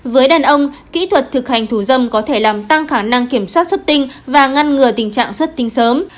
với đàn ông kỹ thuật thực hành thủ dâm có thể làm tăng khả năng kiểm soát xuất tinh và ngăn ngừa tình trạng xuất tinh sớm